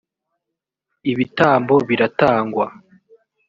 ibitambo biratangwa